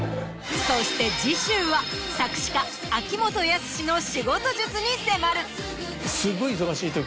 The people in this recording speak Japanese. そして次週は作詞家秋元康の仕事術に迫る。